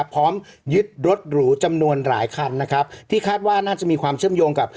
พร้อมยึดรถหรูจำนวนหลายคันนะครับที่คาดว่าน่าจะมีความเชื่อมโยงกับ